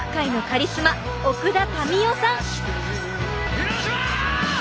広島！